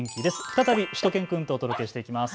再びしゅと犬くんとお届けしていきます。